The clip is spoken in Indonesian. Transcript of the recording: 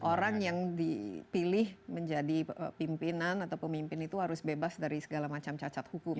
orang yang dipilih menjadi pimpinan atau pemimpin itu harus bebas dari segala macam cacat hukum